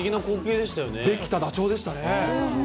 できたダチョウでしたね。